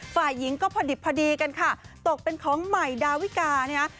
ฝ่ายหญิงก็พอดิบพอดีกันค่ะตกเป็นของใหม่ดาวิกานะฮะ